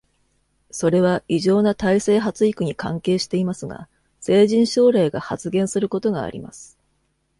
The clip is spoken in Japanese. それは異常な胎生発育に関係していますが、成人症例が発現することがあります。